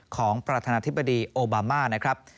ของประธานาธิบดีโอบามานะครับ